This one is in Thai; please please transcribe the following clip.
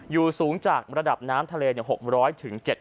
อยู่สูงจากระดับน้ำทะเล๖๐๐๗